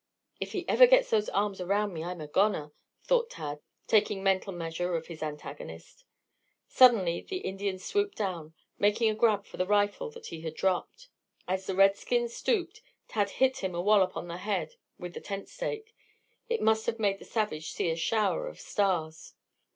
"If he ever gets those arms around me I'm a goner," thought Tad, taking mental measure of his antagonist. Suddenly the Indian swooped down, making a grab for the rifle that he had dropped. As the redskin stooped, Tad hit him a wallop on the head with the tent stake. It must have made the savage see a shower of stars.